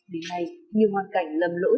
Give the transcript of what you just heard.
đến nay như hoàn cảnh lầm lỗi